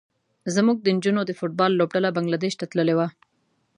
زموږ د نجونو د فټ بال لوبډله بنګلادیش ته تللې وه.